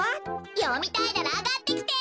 よみたいならあがってきて！